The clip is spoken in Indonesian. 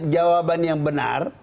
jawaban yang benar